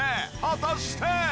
果たして？